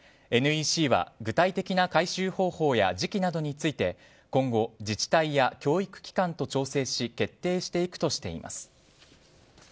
ＮＥＣは具体的な回収方法や時期などについて今後、自治体や教育機関と調整し決定していくとしています。